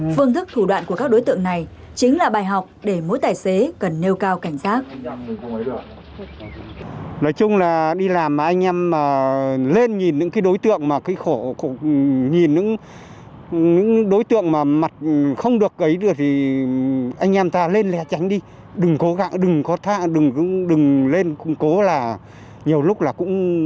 phương thức thủ đoạn của các đối tượng này chính là bài học để mỗi tài xế cần nêu cao cảnh giác